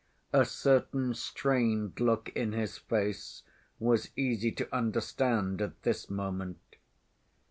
A certain strained look in his face was easy to understand at this moment.